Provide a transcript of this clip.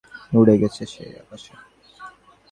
একটা হ্যাণ্ডব্যাগ ছিল, সেটা বাতাসে উড়ে গেছে।